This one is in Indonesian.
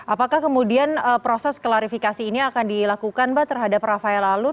apakah kemudian proses klarifikasi ini akan dilakukan pak terhadap rafael alun